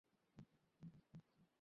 হিন্দু তো কোনে দল নয়।